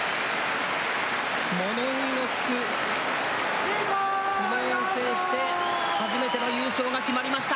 物言いのつく相撲を制して、初めての優勝が決まりました！